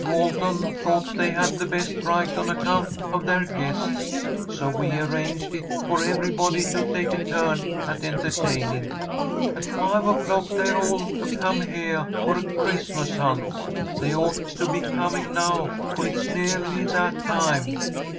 Walton thought they had the best right on account of their guests, so we arranged it for everybody to take a turn at entahtaining. At five o'clock they're all to come heah for a Christmas hunt. They ought to be coming now, for it's neahly that time.